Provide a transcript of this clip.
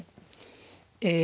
え